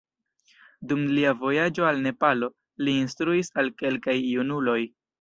Dum lia vojaĝo al Nepalo, li instruis al kelkaj junuloj.